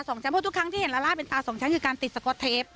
อเรนนี่นั่นเพราะทุกครั้งที่เห็นแล้วล่าเป็นตาสองชั้นคือการติดสกอร์ตเทป